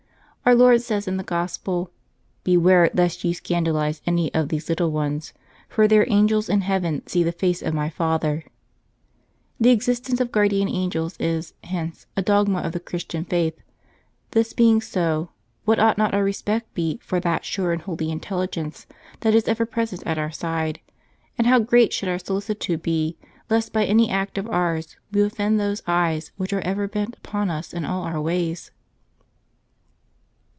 Our Lord says in the Gospel, "Beware lest ye scandalize any of these little ones, for their angels in heaven see the face of My Father/' The existence of Guardian Angels is, hence, a dogma of the Christian faith : this being so, what ought not our respect be for that sure and holy intelligence that is ever present at our side; and how great should our solicitude be, lest, by any act of ours, we offend those eyes which are ever bent upon us in all our ways